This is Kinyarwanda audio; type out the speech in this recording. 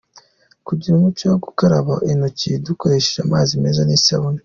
Kugira umuco wo gukaraba intoki dukoresheje amazi meza n’isabune;.